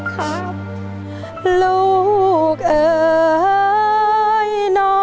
ครับ